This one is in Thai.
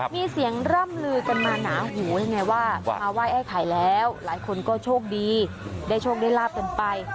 มีเสียงร่ำลือกันมาหนาหูยังไงว่ามาไหว้ไอ้ไข่แล้วหลายคนก็โชคดีได้โชคได้ลาบกันไป